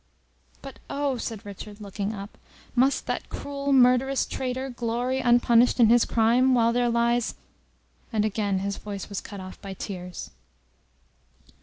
"But oh!" said Richard, looking up, "must that cruel, murderous traitor glory unpunished in his crime, while there lies " and again his voice was cut off by tears.